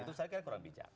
itu saya kira kurang bijak